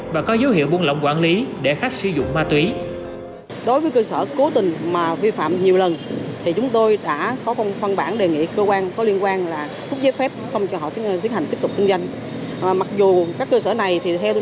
và có dấu hiệu buôn lộng quản lý để khách sử dụng ma túy